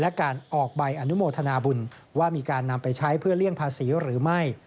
และการออกใบอนุโมทนาบุญว่ามีการนำไปใช้เพื่อเลี่ยงภาษีหรือไม่